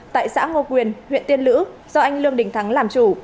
tại xã ngô quyền huyện tiên lữ do anh lương đình thắng làm chủ